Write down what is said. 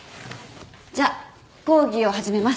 じゃあ講義を始めます。